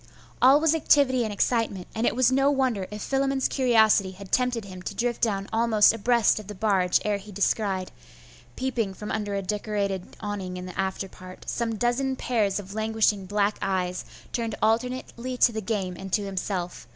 All was activity and excitement; and it was no wonder if Philammon's curiosity had tempted him to drift down almost abreast of the barge ere he descried, peeping from under a decorated awning in the afterpart, some dozen pairs of languishing black eyes, turned alternately to the game and to himself.